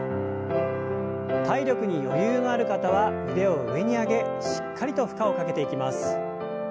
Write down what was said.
体力に余裕のある方は腕を上に上げしっかりと負荷をかけていきます。